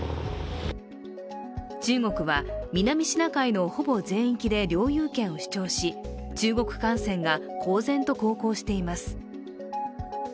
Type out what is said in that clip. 中国は、南シナ海のほぼ全域で領有権を主張し、中国艦船が公然と航行しています。